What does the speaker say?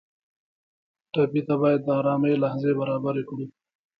ټپي ته باید د ارامۍ لحظې برابرې کړو.